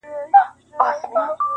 زخمي زخمي ټوټه ټوټه دي کړمه,